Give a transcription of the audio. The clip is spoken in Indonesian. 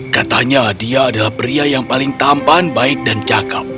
katanya dia adalah pria yang paling tampan baik dan cakep